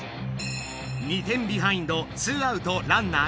２点ビハインド２アウトランナー